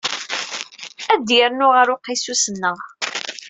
Ad d-yernu ɣer uqisus-nneɣ.